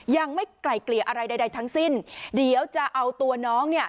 ยังไม่ไกลเกลี่ยอะไรใดทั้งสิ้นเดี๋ยวจะเอาตัวน้องเนี่ย